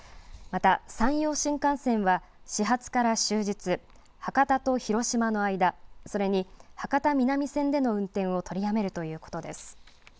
また山陽新幹線は始発から終日博多と広島の間、それに博多南線での運転を取りやめるということです。